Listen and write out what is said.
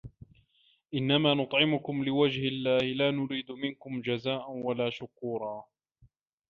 إِنَّما نُطعِمُكُم لِوَجهِ اللَّهِ لا نُريدُ مِنكُم جَزاءً وَلا شُكورًا